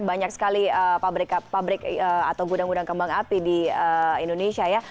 banyak sekali pabrik atau gudang gudang kembang api di indonesia ya